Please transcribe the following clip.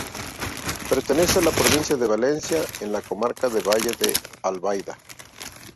Pertenece a la provincia de Valencia, en la comarca de Valle de Albaida.